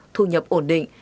thu nhập ổn định